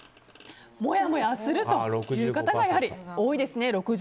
もやもやするという方が多いですね。